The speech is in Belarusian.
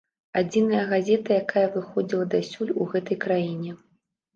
Адзіная газета, якая выходзіла дасюль у гэтай краіне.